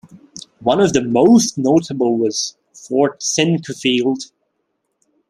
One of the most notable was Fort Sinquefield.